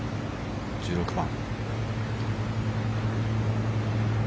１６番。